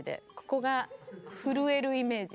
ここが震えるイメージ。